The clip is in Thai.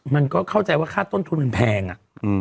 มันก็เข้าใจว่าค่าต้นทุนมันแพงอ่ะ